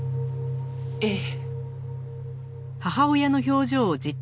ええ。